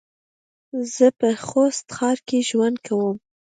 زه په خوست ښار کې ژوند کوم